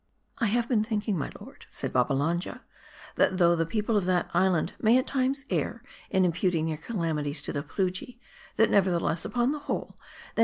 "I have been thinking, my lord," said Babbalanja, "that though the people of that island may at times err, in imput ing their calamities to the Plujii , that, nevertheless, upon the whole, they.